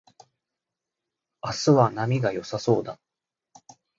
明日は波が良さそうだ